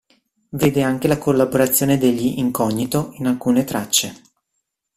Vede anche la collaborazione degli Incognito in alcune tracce.